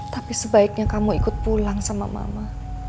tapi sebaiknya kamu ikut pulang sama mama